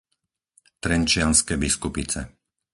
Trenčianske Biskupice